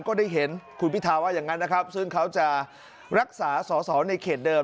ก็ได้เห็นคุณพิทาว่าอย่างนั้นนะครับซึ่งเขาจะรักษาสอสอในเขตเดิม